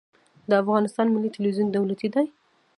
د افغانستان ملي تلویزیون دولتي دی